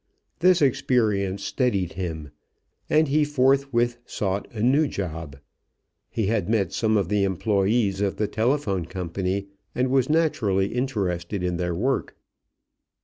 This experience steadied him, and he forthwith sought a new job. He had met some of the employees of the telephone company and was naturally interested in their work.